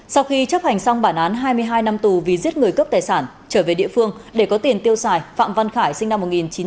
sau khi chấp hành xong bản án hai mươi hai năm tù vì giết người cướp tài sản trở về địa phương để có tiền tiêu xài phạm văn khải sinh năm một nghìn chín trăm tám mươi